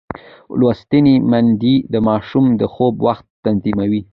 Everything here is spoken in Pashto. لوستې میندې د ماشوم د خوب وخت تنظیموي.